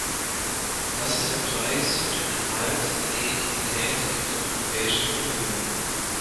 Das ist der Preis für den Erhalt der Legitimität durch die Europäische Union.